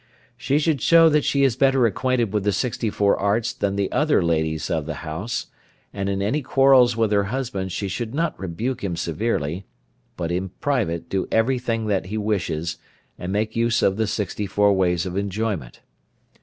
She should show that she is better acquainted with the sixty four arts than the other ladies of the house, and in any quarrels with her husband she should not rebuke him severely, but in private do everything that he wishes, and make use of the sixty four ways of enjoyment.